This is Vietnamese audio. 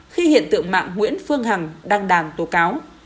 khi hiện tượng mạng nguyễn phương hằng đang đàn tố cáo